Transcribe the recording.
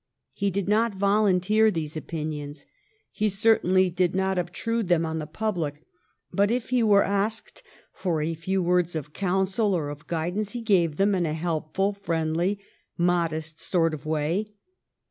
He did not volunteer these opinions. He certainly did not obtrude them on the public, but if he were asked for a few words of counsel or of guidance he gave them in a helpful, friendly, modest sort of way.